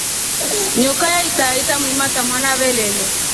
Njoka yaitra ikamuimata mwawna avelele.